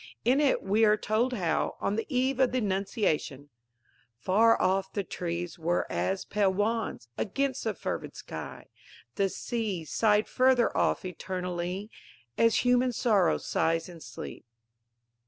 In it we are told how, on the eve of the Annunciation, Far off the trees were as pale wands, Against the fervid sky: the sea Sighed further off eternally As human sorrow sighs in sleep.